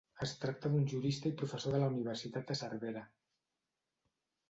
Es tracta d'un jurista i professor de la Universitat de Cervera.